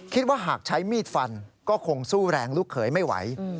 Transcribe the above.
คิดว่าหากใช้มีดฟันก็คงสู้แรงลูกเขยไม่ไหว